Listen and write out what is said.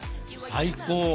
最高？